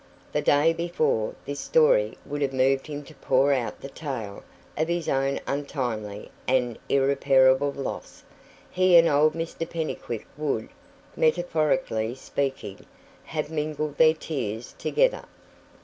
The day before, this story would have moved him to pour out the tale of his own untimely and irreparable loss. He and old Mr Pennycuick would metaphorically speaking have mingled their tears together.